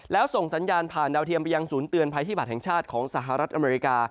แล้วส่งสัญญาณผ่านดาวเทียมไปยังศูนย์เตือนภัยพิบัตรแห่งชาติของสหรัฐอเมริกา